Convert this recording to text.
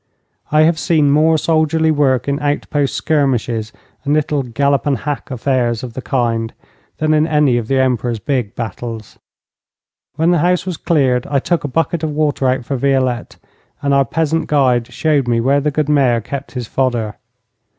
I have seen more soldierly work in outpost skirmishes and little gallop and hack affairs of the kind than in any of the Emperor's big battles. When the house was cleared I took a bucket of water out for Violette, and our peasant guide showed me where the good Mayor kept his fodder.